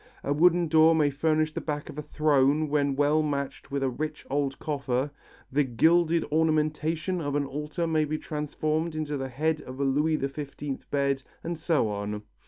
A wooden door may furnish the back of a throne when well matched with a rich old coffer; the gilded ornamentation of an altar may be transformed into the head of a Louis XV bed, and so on.